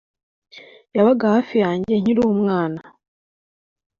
yabaga hafi yanjye nkiri umwana.